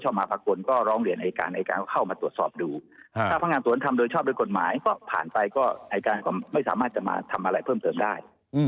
ถ้าฝั่งงานสวนธรรมโดยชอบโดยกฎหมายก็ผ่านไปก็ไม่สามารถจะมาทำอะไรเพิ่มเติมได้